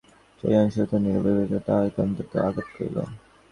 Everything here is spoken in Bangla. সেইজন্যই সুচরিতার নীরব বিরুদ্ধতা তাঁহাকে অত্যন্ত আঘাত করিল।